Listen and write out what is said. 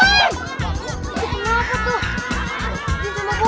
ini cuma buku